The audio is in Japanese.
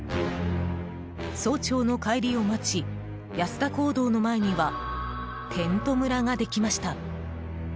総長の帰りを待ち安田講堂の前にはテント村ができました。